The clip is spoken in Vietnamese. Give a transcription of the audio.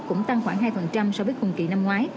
cũng tăng khoảng hai so với cùng kỳ năm ngoái